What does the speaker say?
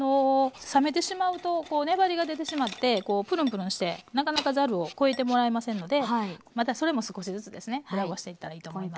冷めてしまうと粘りが出てしまってぷるんぷるんしてなかなかざるを越えてもらえませんのでまたそれも少しずつですね裏ごしていったらいいと思います。